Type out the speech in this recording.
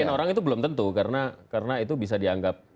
orang itu belum tentu karena itu bisa dianggap